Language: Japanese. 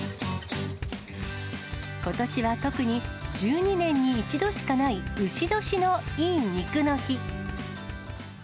ことしは特に１２年に１度しかないうし年のいい肉の日。